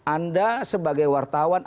anda sebagai wartawan